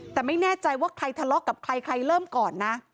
แต่ไม่แน่ใจว่าใครทะเลาะกับใครใครเริ่มก่อนนะ